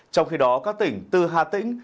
trong khi đó các tỉnh từ hà tĩnh